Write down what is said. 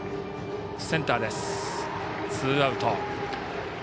ツーアウト。